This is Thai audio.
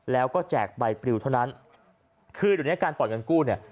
แล้วก็แจกใบปลิวเท่านั้นคือเดี๋ยวนี้การปล่อยเงินกู้เนี่ย